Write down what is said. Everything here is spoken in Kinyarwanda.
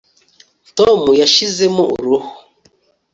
tom yashizemo uruhu